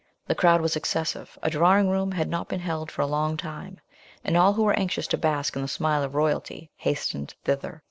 The crowd was excessive a drawing room had not been held for a long time, and all who were anxious to bask in the smile of royalty, hastened thither.